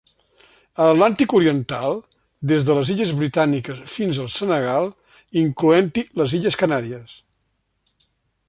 A l'Atlàntic Oriental, des de les Illes Britàniques fins al Senegal, incloent-hi les Illes Canàries.